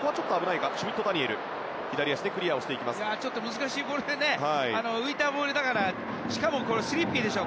難しいボールで浮いたボールだからしかも、スリッピーでしょ。